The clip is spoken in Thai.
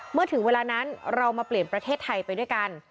เมื่อถึงเวลานั้นเรามาเปลี่ยนประเทศไทยไปด้วยกัน